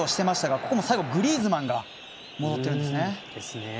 ここも最後、グリーズマンが戻ってるんですね。